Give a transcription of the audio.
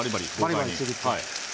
バリバリちぎって。